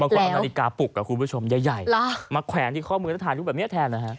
บางคนเอานาฬิกาปลุกกับคุณผู้ชมใหญ่มาแขวนที่ข้อมือต้นทานอยู่แบบนี้แทนนะฮะ